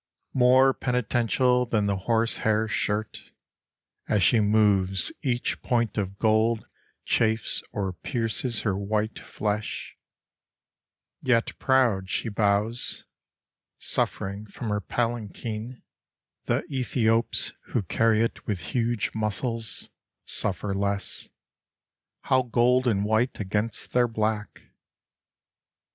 More penitential than the horse hair shirt. As she Moves each point of gold chafes or pierces her white tiesh ; Yet proud, she bows, suffering from her palanquin (The Ethiops who carry it with huge muscles Suffer less). How gold and white against their black